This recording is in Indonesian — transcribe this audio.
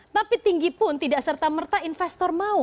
tapi tinggi pun tidak serta merta investor mau